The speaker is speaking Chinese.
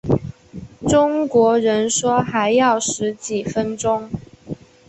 中国人说还要十几分钟